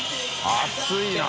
熱いな。